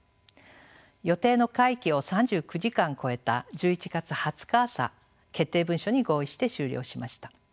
予定の会期を３９時間超えた１１月２０日朝決定文書に合意して終了しました。